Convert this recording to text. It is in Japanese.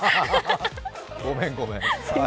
ごめんごめん。